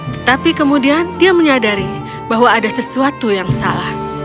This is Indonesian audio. tetapi kemudian dia menyadari bahwa ada sesuatu yang salah